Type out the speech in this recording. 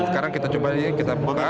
sekarang kita coba ini kita buka